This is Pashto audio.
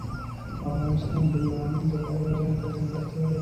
افغانستان د یورانیم د پلوه ځانته ځانګړتیا لري.